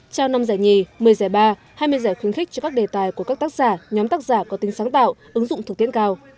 trao năm giải nhì một mươi giải ba hai mươi giải khuyến khích cho các đề tài của các tác giả nhóm tác giả có tính sáng tạo ứng dụng thực tiễn cao